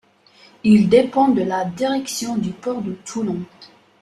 Il dépend de la direction du port de Toulon.